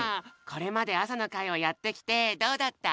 これまであさのかいをやってきてどうだった？